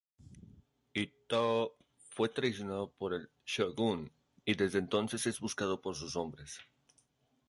Ittō fue traicionado por el Shogun y desde entonces es buscado por sus hombres.